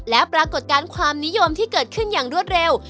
และปรากฏการณ์ความนิยมที่เกิดขึ้นอย่างรวดเร็ว